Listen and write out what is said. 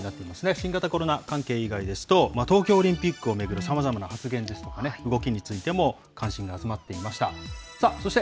新型コロナ関係以外ですと、東京オリンピックを巡るさまざまな発言ですとかね、動きについても関心が集まっていました。